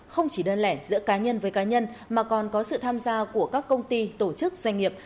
không chỉ đơn lẻ giữa cá nhân với cá nhân mà còn có sự tham gia của các công ty tổ chức doanh nghiệp